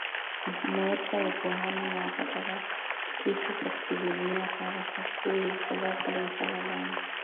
mifumo yote ya ukuhani na ya Patakatifu pa kidunia Kafara kuu ilitolewa pale msalabani